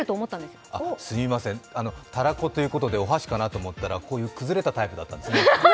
すみません、たらこということで、お箸かなと思ったらこういう崩れたタイプだったんですね。